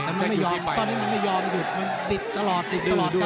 ตอนนี้มันไม่ยอมหยุดติดตลอดติดตลอด